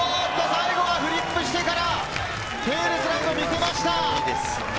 最後はフリップしてから、テールスライドを見せました。